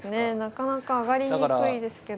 なかなか上がりにくいですけど。